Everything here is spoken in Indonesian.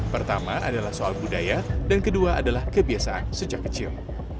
pertama adalah soal budaya dan kedua adalah kebiasaan sejak kecil